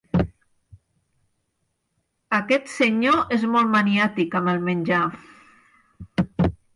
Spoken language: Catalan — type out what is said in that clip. Aquest senyor és molt maniàtic amb el menjar.